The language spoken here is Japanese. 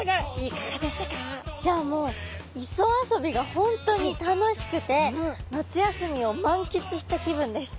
いやもう磯遊びが本当に楽しくて夏休みを満喫した気分です。